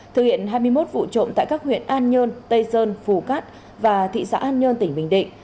thực hiện hai mươi một vụ trộm tại các huyện an nhơn tây sơn phù cát và thị xã an nhơn tỉnh bình định